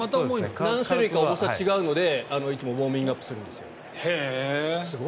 何種類か重さが違うのでウォーミングアップするんですけど。